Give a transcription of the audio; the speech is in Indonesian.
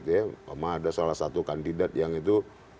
ada salah satu kandidat yang itu